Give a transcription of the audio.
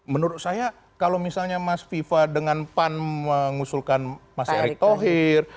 menurut saya kalau misalnya mas viva dengan pan mengusulkan mas erick thohir